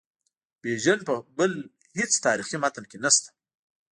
بیژن په بل هیڅ تاریخي متن کې نسته.